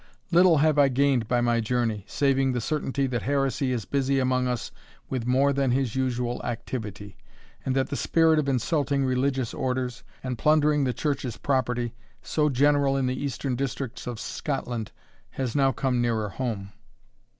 Little have I gained by my journey, saving the certainty that heresy is busy among us with more than his usual activity, and that the spirit of insulting religious orders, and plundering the Church's property, so general in the eastern districts of Scotland, has now come nearer home."